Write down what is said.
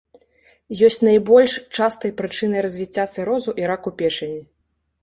Ёсць найбольш частай прычынай развіцця цырозу і раку печані.